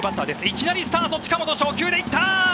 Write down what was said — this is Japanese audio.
いきなりスタート近本、初球で行った！